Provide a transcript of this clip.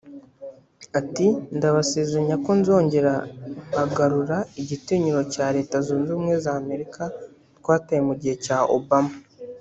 Ati “Ndabasezeranya ko nzongera nkagarura igitinyiro cya Leta Zunze Ubumwe za Amerika twataye mu gihe cya Obama